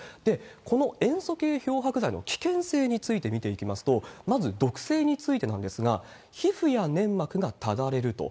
この塩素系漂白剤の危険性について見ていきますと、まず毒性についてなんですが、皮膚や粘膜がただれると。